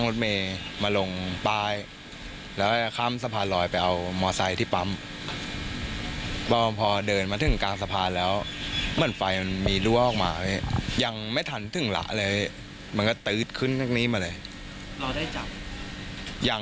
ร่วมมันคือภื้นปูนที่เดินอะไรอย่างนี้หรอค่ะ